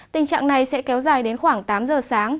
tình trạng này sẽ kéo dài đến khoảng tám giờ sáng